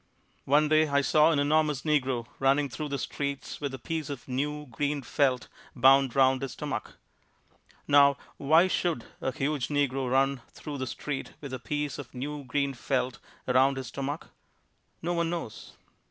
One day I saw an enormous negro running through the streets with a piece of new, green felt bound around his stomach. Now why should a huge negro run through the street with a piece of new green felt around his stomach? No one knows.